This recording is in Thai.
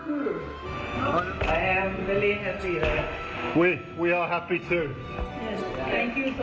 อิงเวร์นด์อังกฤษ